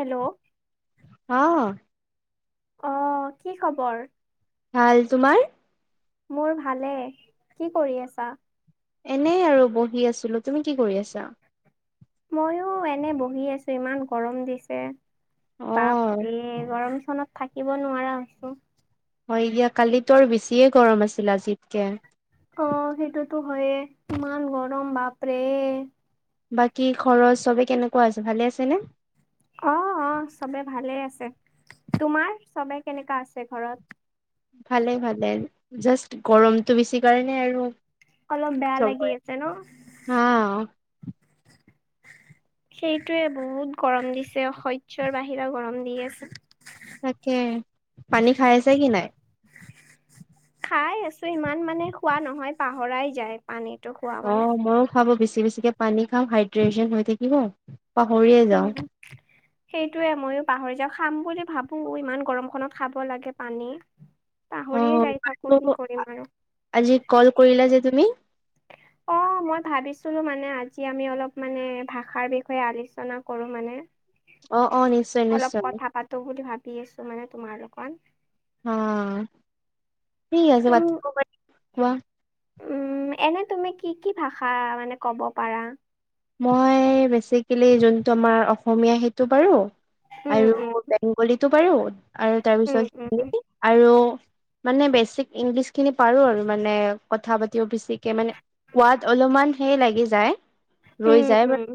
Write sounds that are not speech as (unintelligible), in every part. Hello অ অ কি খবৰ? ভাল। তোমাৰ? মোৰ ভালে্ কি কৰি আছা? এনে আৰু বহি আছিলো। তুমি কি কৰি আছা? ময়ো এনে বহি আছো ইমান গৰম দিছে। অ বাপৰে গৰম খনত থাকিব নোৱাৰা হৈছো। হয় দিয়া কালিতৰ বেছিয়ে গৰম আছিল আজিতকে। অ সেইটোতো হয়ে ইমান গৰম বাপৰে। বাকী খৰচ চবে কেনেকুৱা আছে ভালে আছেনে? অ অ চবে ভালেই আছে তোমাৰ চবে কেনেকা আছে ঘৰত? ভালে, ভালে। জাষ্ট গৰমটো বেছি কাৰণে আৰু অলপ বেয়া লাগি চবৰে আছে ন? হা সেইটোৱে বহুত গৰম দিছে। অসহ্যৰ বাহিৰা গৰম দি আছে। তাকে পানী খাই আছা কি নাই? খাই আছো সিমান মানে খোৱা নহয় পাহৰাই যায় পানীত। অ ময়ো খাব বেছি বেছিকে পানী খাম হাইড্ৰেচন হৈ থাকিব। পাহৰিয়ে যাওঁ। সেইটোৱে ময়ো পাহৰি যাওঁ খাম বুলি ভাবো ইমান গৰম খনত খাব লাগে পানী। অ পাহৰিয়ে যাই থাকো কি কৰিম (unintelligible) আৰু আজি কল কৰিলা যে তুমি অ অ মই ভাবিছিলো মানে আজি আমি অলপ মানে ভাষাৰ বিষয়ে আলোচনা কৰো মানে? অ অ নিশ্চয় অলপ নিশ্চয় কথা পাতো বুলি ভাবি আছো মানে তোমাৰ লগত। অ ঠিক আছে তুম পাতিব পাৰি কোৱা? উম এনে তুমি কি কি ভাষা মানে কব পাৰা? মই বেচিকেলি যোনটো আমাৰ অসমীয়া সেইটো পাৰু উম উম আৰু বেংগলীটো পাৰু আৰু উম উম তাৰপিছত হিন্দী আৰু মানে বেচিক ইংলিছ খিনি পাৰো আৰু মানে কথা পাতিব বেছিকে মানে। সোৱাদ অলপমান হে লাগি যায়। ৰৈ উম যায় উম উম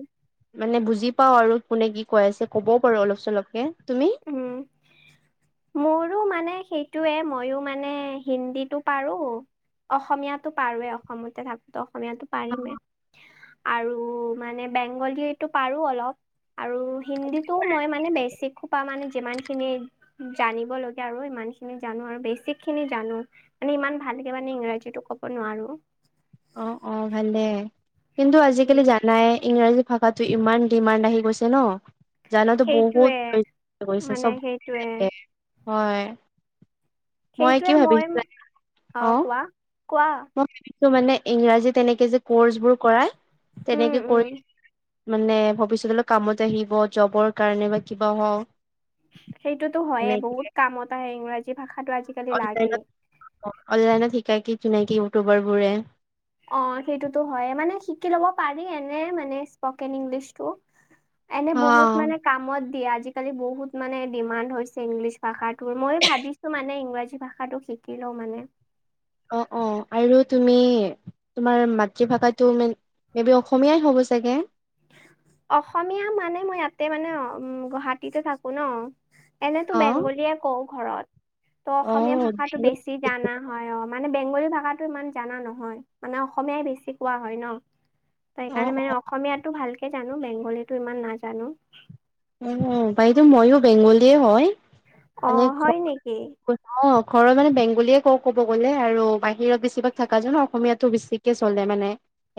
মানে বুজি পাও আৰু কোনে কি কৈ আছে ক'বও পাৰো অলপ চলপকে। তুমি উম মোৰো মানে সেইটোৱে মইো মানে হিন্দীটো পাৰো অসমীয়াতো পাৰোৱে অসমতে থাকো ত। অসমীয়াটো পাৰিমেই আৰু মানে বেংগলীটো পাৰো অলপ। আৰু হিন্দীটো মই মানে বেছি খুব পা মানে যিমান খিনি জানিব লগীয়া আৰু সিমান খিনি জানো আৰু বেছিক খিনি জানো মানে। ইমান ভালকে মানে ইংৰাজীতো ক'ব নোৱাৰো। অ অ ভালে। কিন্তু উম, আজিকালি জানাই, ইংৰাজী ভাষা ইমান ডিমাণ্ড আহি গৈছে ন এক- জানাটো সেইটোৱে বহুত (unintelligible) মানে চব, সেইটোৱে হয়। মই কি ভাবিছো (unintelligible) অ কোৱা মই (unintelligible) মানে ইংৰাজী তেনেকে যে কৰ্চবোৰ কৰাই উম তেনেকে উম কৰি মানে ভৱিষ্যতত অলপ কামত আহিব জবৰ কাৰণে বা কিবা হওঁক। সেইটোতো হইয়ে। বহুত কামত আহে ইংৰাজী ভাষাটো আজিকালি লাগেই অনলাইনত, অনলাইনত শিকাই কি (unintelligible) ইউটিউবাৰবোৰে। অ, সেইটোতো হৈয়ে। মানে শিকি ল'ব পাৰি এনে মানে স্পকেন ইংলিছটো। এনে হা বহুত মানে কামত দিয়ে। আজি-কালি বহুত মানে ডিমাণ্ড হৈছে ইংলিছ ভাষাত টোৰ মই ভাবিছো মানে ইংৰাজী ভাষাটো শিকি লও মানে। অ-অ আৰু তুমি তোমাৰ মাতৃভাষাটো মান মে বি অসমীয়াই হ'ব চাগে। অসমীয়া মানে মই ইয়াতে মানে গুৱাহাটীতে থাকো ন। এনেটো অ বেংগলীয়ে কওঁ। ঘৰত ত' অ অসমীয়া ভাষাটো বেছি জানা হয়। অ মানে বেংগলী ভাষাটো ইমান জানা নহয়। মানে অসমীয়াই বেছি কোৱা হয় ন। ত সেইকাৰণে মানে অ অসমীয়াটো ভালকে জানো, বেংগলীটো ইমান নাজানো। উ বাইদেউ মইও বেংগলীয়ে হয়। অ, মানে ঘ হয় নেকি? অ, ঘৰত মানে বেংগলীয়ে কও কব গ'লে আৰু বাহিৰত বেছিভাগ থকা জন ন অসমীয়াতো বেছিকে হলে মানে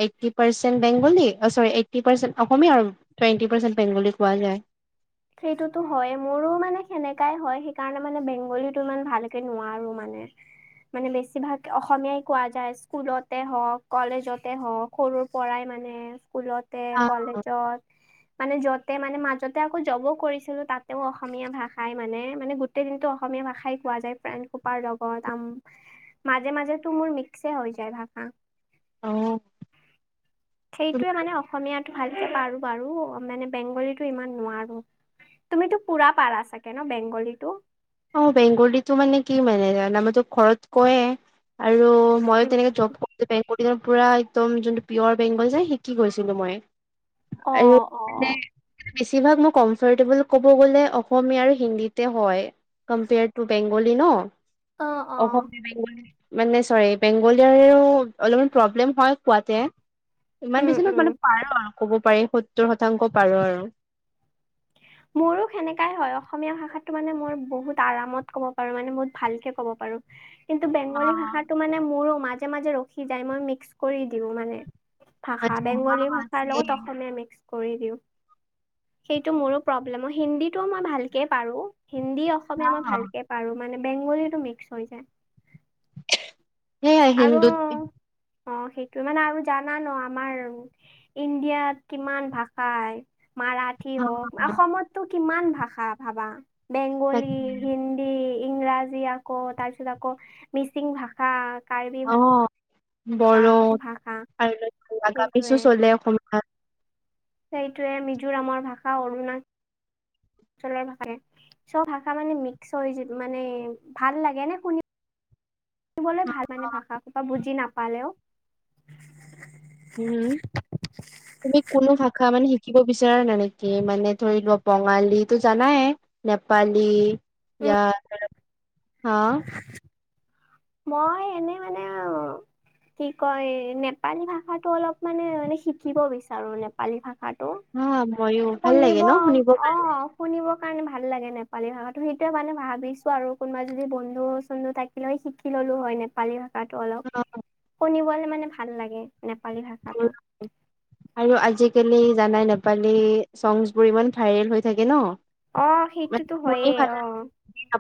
এইটটি পাৰ্চেণ্ট বেংগলী অ চৰি। এইটটি পাৰ্চেণ্ট অসমীয়া আৰু টুৱেণ্টি পাৰ্চেণ্ট বেংগলী কোৱা যায়। সেইটোতো হৈয়ে। মোৰো মানে সেনেকাই হয়। সেইকাৰণে মানে বেংগলীটো ইমান ভালকে নোৱাৰো মানে। (unintelligible) মানে বেছিভাগ অসমীয়াই কোৱা যায় স্কুলতে হওক কলেজতে হওক সৰুৰ পৰাই ম মানে, স্কুলতে কলেজত মানে যতে মানে মাজতে মই জবো কৰিছিলো তাতেও অসমীয়া ভাষাই মানে মানে গোটেই দিনতটো অসমীয়া ভাষাই কোৱা যায় (unintelligible) লগত আম মাজে মাজেতো মোৰ মিক্সছে হৈ যায় ভাষা। অ সেইটোয়ে মানে অসমীয়াত ভালকে পাৰো বাৰু। মানে বেংগলীতো ইমান নোৱাৰো। তুমিতো পুৰা পাৰা চাগে ন বেংগলীটো? অ, বেংগলীটো মানে কি মানে (unintelligible) আমাৰটো ঘৰত কৈয়ে আৰ আৰু মই উম, তেনেকে উম। জব (unintelligible) পুৰা একদম যোনটো পিয়ৰ বেং (unintelligible) শিকি গৈছিলো মই। আৰু অ-অ। মানে বেছিভাগ মই কম্ফৰটেবল ক'ব গ'লে অসমীয়া আৰু হিন্দীতে হয়। কম্পেয়াৰ টু বেংগলী ন? অ অ অসমীয়া বেংগলী (unintelligible) মানে চৰি বেংগলীয়াৰেও অলপমান প্ৰব্লেম হয় কোৱাতে। ইমান উম বেছি ন উম মানে পাৰো আৰু কব পাৰি। সত্তৰ শতাংশ পাৰো আৰু। মোৰো সেনেকাই হয়। অসমীয়া ভাষাটো মানে মই বহুত আৰামত ক'ব পাৰো, মানে বহুত ভালকে ক'ব পাৰ কিন্তু বেংগলী ভাষাটো মানে মোৰো মাজে মাজে ৰখি যায়। মই মিক্স কৰি দিওঁ মানে। ভাষা বেংগলী ভাষাৰ লগত অসমীয়া মিক্স। কৰি দিওঁ। সেইটো মোৰো প্ৰব্লেম। হিন্দীটো মই ভালকে পাৰো। হিন্দী, অসমীয়া মই ভালকে পাৰো মানে। বেংগলীটো মিক্স হৈ যায়। হেয়াই হিন্দু্ আৰু অ, সেইটোৱে মানে আৰু জানা ন আমাৰ ইণ্ডিয়াত কিমান ভাষাই মাৰাঠী হওক, অসমতটো কিমান ভাষা ভাবা। বেংগলী, তাকে হিন্দী ইংৰাজী আকৌ তাৰপিছত আকৌ মিচিং ভাষা, কাৰ্বি অ ভাষ বড়ো আৰু নাগামিজো সেইটোৱে চলে অসমীয়াত। সেইটোৱে মিজোৰামৰ ভাষা, অৰুণা অঞ্চলৰ ভাষা চব ভাষা মানে মিক্স হৈ যি মানে ভাল লাগে নে শুনি? (unintelligible) ভাল মানে ভাষা চাষা বুজি নাপালেও। উম, তুমি কোনো ভাষা মানে শি শিকিব বিচৰা না নেকি মানে ধৰি লোৱা বঙালীটো জানায়ে, নেপালী উম ইয়াহ, হা? মই এনেই মানে আউ। কি কয় নেপালী ভাষাটো অলপ মানে মানে শিকিব বিচাৰো নেপালী ভাষাটো। (unintelligible) ভাল শুনিব লাগে ন শুনিব অ, শুনিব কাৰণে ভাল লাগে নেপালী ভাষাটো এতিয়া মানে ভাবিছোঁ আৰু কোনোবা যদি বন্ধু চন্ধু থাকিলও শিকিলো হলো হয় নেপালী হয়। (unintelligible) কাৰণে অলপ শুনিবলে মানে ভাল লাগে নেপালী ভাষাটো। আৰু আজিকালি জানাই নেপালী চংগছবোৰ ইমান ভাইৰেল হৈ থাকে ন'? অ', মানে সেইটোতো শুনি হয়য়েই ভাল অ,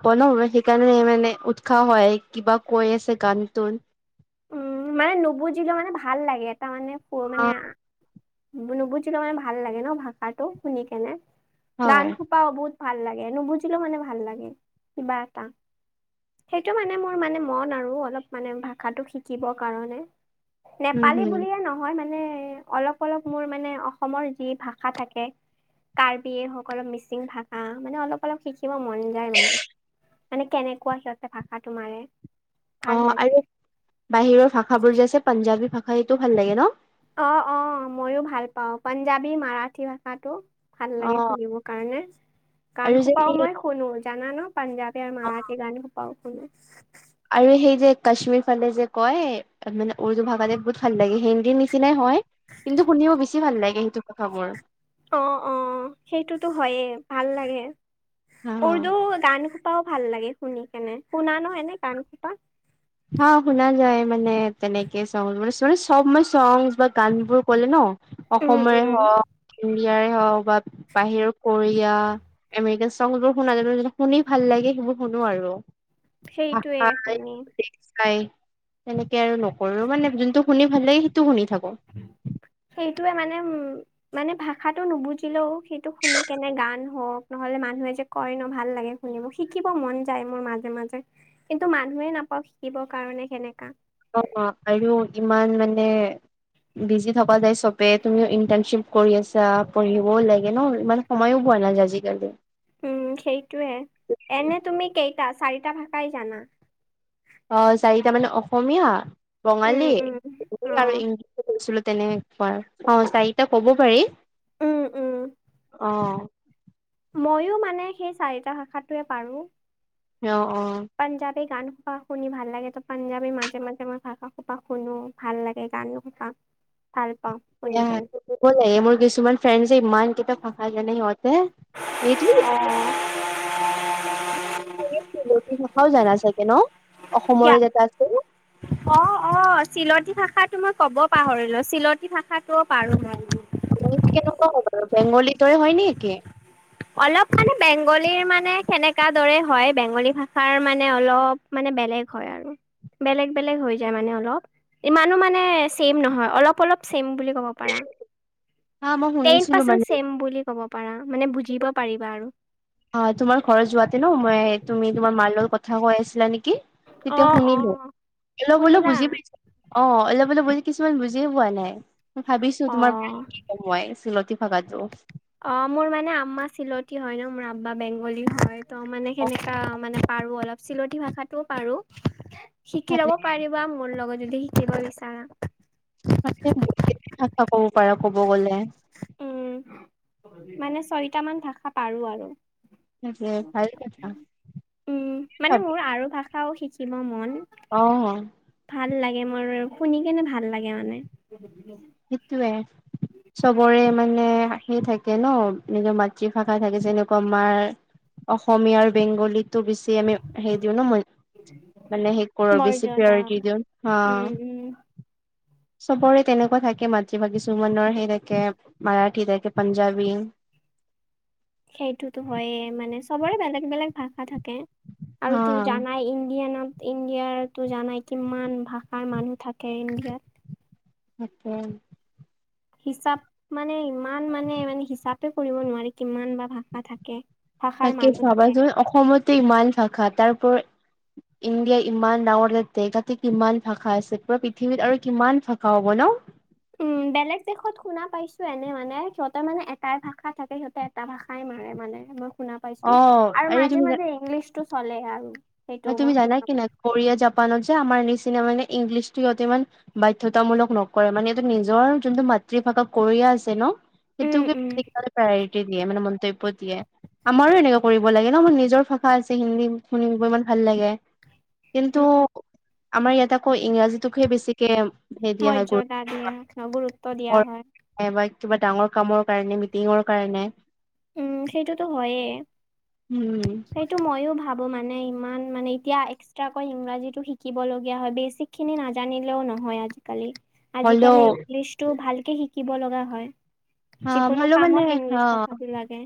(unintelligible) সেইকাৰণে মানে উৎসাহ হয়, কিবা কৈ আছে গানটোত। উম, মানে নুবুজিলে মানে ভাল লাগে এটা মানে প অ মানে নুবুজিলেও মানে ভাল লাগে ন' ভাষাটো শুনি কেনে গান হয় সোপা বহুত ভাল লাগে নুবুজিলেও মানে ভাল লাগে, কিবা এটা। সেইটো মানে মোৰ মানে মন আৰু অলপ মানে ভা ভাষাটো শিকিবৰ কাৰণে, উম নেপালী হম বুলিয়ে নহয় মা মানে অলপ অলপ মোৰ মানে অসমৰ যি ভাষা থাকে। কাৰ্বিসকলৰ মিচিং ভাষা মানে অলপ অলপ শিকি কিবা মন যায় মানে, মানে কেনেকুৱা সিহঁতে ভাষাটো মাৰে। অ ভাল আৰু লাগে। বাহিৰৰ ভাষাবোৰ যে আছে পাঞ্জাৱী ভাষা সেইটো ভাল লাগে ন'? অ অ মইও ভাল পাওঁ পাঞ্জাবী মাৰাঠী ভাষাটো ভাল অ লাগে শুনিব কাৰণে আৰু কাৰণ যে হোপাও সেই মই শুনো জানা ন পাঞ্জাৱী আৰু মাৰাঠী গান সোপাও শুনো। আৰু সেই যে কাশ্মীৰ ফালে যে কয় মানে উৰ্দু ভাষাতে বহুত ভাল লাগে। হিন্দীৰ নিচিনাই হয়, কিন্তু শুনিব বেছি ভাল লাগে সেইটো কথাবোৰ। অ', অ, সেইটোতো হয়য়ে ভাল লাগে। অ উৰ্দু গান সোপাও ভাল লাগে শুনি কেনে শুনা নহয় নে গান কেইটা? হা শুনা যায় মানে তেনেকে (unintelligible) মান মানে চব মই চংছ বা গানবোৰ ক'লে ন' উম অসমে উম হওক ইয়াৰে হওক বা বাহিৰৰ কোৰিয়া, এমেৰিকান সংছবোৰ শুনা (unintelligible) শুনি ভাল লাগে। (unintelligible) শুনো আৰু। সেইটোৱে ভাষাই শুনি। (unintelligible) তেনেকে আৰু নকৰো মানে যোনটো শুনি ভাল লাগে সেইটো শুনি থাক কোঁ। সেইটোৱে মানে উম, মানে ভাষাটো নোবুজিলেও সেইটো শুনি কেনে গান হওঁক নহলে মানুহে যে কয় ন ভাল লাগে শুনিব শিকিব মন যায় মোৰ মাজে মাজে, কিন্তু মানুহে নাপাওঁ শিকিবৰ কাৰণে। কাৰণে সেনেকা। অ', অ, আৰু ইমান মানে বিজি থকা যাই চবে তুমিও ইন্টাৰ্নশ্বিপ কৰি আছা পঢ়িবও লাগে ন' ইমান সময়য়ো ব (unintelligible) আজিকালি উম সেইটোৱে, এনে তুমি কেইটা চাৰিটা ভাষাই জানা? অ', চাৰিটা মানে অসমীয়া, উম বঙালী, উম অ হিন্দী আৰু ইংলিছ (unintelligible) তেনেকুৱা, অ, চাৰিটা কব পাৰি, উম উম অ, মইয়ো মানে সেই চাৰিটা ভাষাটোৱে পাৰোঁ। অ অ সেই গান সোপা শুনি ভাল লাগে তো পাঞ্জাৱীৰ মাজে মাজে মই ভাষা সোপা শুনো ভাল লাগে গান সোপা (inaudible) শুনি কেনে (unintelligible) মোৰ কিছুমান ফ্ৰেণ্ডছ্ যে ইমান কেটা ভাষা যানে সিহঁতে এইটো উ (unintelligible) তুমি চিলটি ভাষাও জানা চাগে ন অসমৰে য়াটে আছে ন অ অ চিলটি ভাষাটো মই কব পাহৰিলো চিলটি ভাষাটোও পাৰো মই বেংগলি তই হয় নে কি অলপ মানে বেংগলীৰ মানে কেনেকা দৰে হয় বেংগলী ভাষাৰ মানে অলপ মানে বেলেগ হয় আৰু বেলেগ বেলেগ হৈ যায় মানে অলপ ইমানো মানে চেম নহয় অলপ অলপ চেম বুলি কব পাৰা হা মই টেন শুনিছিলো পাৰ্চেণ্ট মানে চেম বুলি কব পাৰা মানে বুজ জিব পাৰিবা আৰু অ তোমাৰ ঘৰত যোৱাতে ন মই তুমি তোমাৰ মাৰ লগত কথা কৈ আছিলা নিকি কি অ তেতিয়া অ শুনিলো অলপ হলেও শুনিলা বুজি পাইছো অ অলপ অলপ বুজি কিছুমান বুজিয়ে পোৱা নাই ভাবিছো অ তোমাৰ (unintelligible) কৈ আছিলে তুমি ভাবাতোচ্ অ মোৰ মানে আম্মা চিলতি হয় ন মোৰ আব্বা বেংগলী হয় ত মানে অ সেনেকা মানে পাৰো অলপ চিলতি ভাষাতোও পাৰো শিকি ভালে লব পাৰিবা মোৰ লগত যদি শিকিব ইচ্ছা (unintelligible) ভাষা কব পাৰা কব গলে উম মানে ছয়টা মান ভাষা পাৰো আৰু এ ভাল কথা ছিলো মইও অহ। ভাল লাগে মোৰ। শুনি কেনে ভাল লাগে মানে। সেইটোৱে, চবৰে মান পে আহি থাকে ন নিজৰ মাতৃভাষা থাকে যেনেকুৱা আমাৰ অসমীয়া আৰু বেংগলীটো বেছি আমি হেৰি দিওঁ ন ময্য মানে সে কৰো আৰু বেছি মৰ্যদা পেৰাৰিটি দিওঁ হা উম উম চবৰে তেনেকুৱা থাকে কে মাতৃভাষা কিছুমানৰ হে থাকে মাৰাঠী থাকে পাঞ্জাবী সেইটোতো হইয়ে মানে চবৰে বেলেগ বেলেগ ভাষা থাকে হা আৰু তো জানাই ইণ্ডিয়ানত ইণ্ডিয়াৰো জানাই কিমান ভাষাৰ মানুহ থাকে ইণ্ডিয়াত (unintelligible) হিচাপ মানে ইমান মানে মানে হিচাপে কৰিব নোৱাৰি কিমান বা ভাষা থাকে। ভাষাৰ তাকে মানুহ থাকে। ভাবাচোন অসমতে ইমান ভাষা তাৰওপৰ ইণ্ডিয়া ইমান ডাঙৰ তাতে তাতে কিমান ভাষা আছে পুৰা পৃথিৱীত আৰু কিমান ভাষা হ'ব ন উম বেলেগ দেশত শুনা পাইছোঁ এনে মানে সিহঁতে মানে এটাই ভাষা থাকে সিহঁতে এটা ভাষাই মাৰে মানে মই শুনা পাইছো অ', আৰু মাজে মাজে ইংলিছ টো চলে আৰু সেইটো হয় মই তুমি জানা শুনা কি না পাইছো। কৰিয়া জাপানত যে আমাৰ নিচ সেকাণে মানে ইংলিছটো ইহতে ইমান বাধ্যতামূলক নকৰে মানে হিহতৰ নিজৰ যোনটো মাতৃভাষা কৰিয়া আছে ন উম, সেটোকে উম, হিহতি প্ৰায়ৰিটি দিয়ে মানে মন্তব্য দিয়ে আমাৰো এনকা কৰিব লাগে ন নিজৰ ভাষা আছে হিন্দী খিনি ইমান ভাল লাগে কিন্তু উম, আমাৰ ইয়াত আকৌ ইংৰাজীটোকহে বেছিকে সেই দিয়া হয় মৰ্যদা গুৰুত্ব দিয়া গুৰুত্ব দিয়া হয় বা কিবা ডাঙৰ কামৰ কাৰণে মিটিঙৰ কাৰণে উম সেইটোতো হয়ে উম সেইটো ময়ো ভাব মানে ইমান মানে এতিয়া এক্সট্ৰাকৈ ইংৰাজীটো শিকিবলগীয়া হয়। বেছিকখিনি নাজানিলেও ন নহয় আজি-কালি। হ'লেও আজি-কালি ইংলিছতটো ভালকে শিকিব লগা হয়। অ, যিকোনো ভাল মানে কামত অ। ইংলিছ ভাষাটো লাগে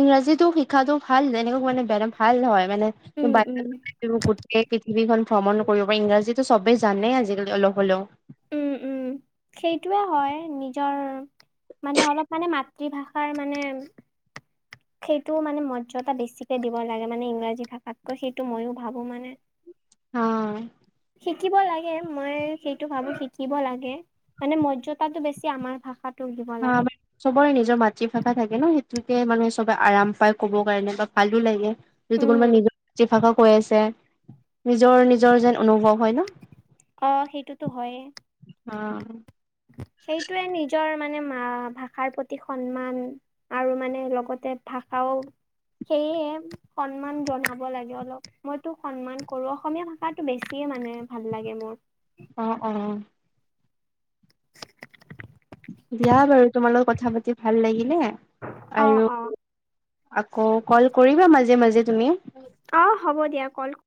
ইংৰাজীটো শিকাটো ভাল। এনেও মানে বে ভাল হয়। মানে উম উম (unintelligible) গোটেই (unintelligible) ভ্ৰমণো কৰিব পাৰি। ইংৰাজীটো চবেই জানেই আজি-কালি অলপ হলেও। উম, উম। সেইটোৱে হয় নিজৰ মানে অলপ মানে মাতৃভাষাৰ মানে সেইটো মানে মৰ্যদা বেছিকে দিব লাগে। মানে ইংৰাজী ভাষাতকৈ সেইটো ময়ো ভাবো মানে। হ শিকিব লাগে। মই সেইটো ভাবো শিকিব লাগে। মানে মৰ্যদাটো বেছি আমাৰ ভাষাত হা আমাৰ চবৰে নিজৰ মাতৃভাষা থাকে ন। সেই সোকে মানে চবে আৰাম পাই ক'বৰ কাৰণে বা ভালো লাগে। যদি উম কোনোবা (unintelligible) কৈ আছে নিজৰ নিজৰ যেন অনুভৱ হয় ন। অ সেইটোতো হয়ে। অ সেইটোৱে নিজৰ মানে ভাষাৰ প্ৰতি সন্মান আৰু মানে লগতে ভাষাও সেয়ে সন্মান জনাব লাগে অলপ। মইটো সন্মান কৰো। অসমীয়া ভাষাটো বেছিয়ে মানে ভাল লাগে। মোৰ অ-অ। দিয়া বাৰু তোমাৰ লগত কথা পাতি ভাল লাগিলে। আৰু অ-অ। আকৌ কল কৰিবা মাজে মাজে তুমিও। অ হ'ব দিয়া কল